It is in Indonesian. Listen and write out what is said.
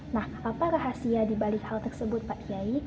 nah apa rahasia dibalik hal tersebut pak kiai